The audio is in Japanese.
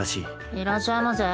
いらっしゃいませ。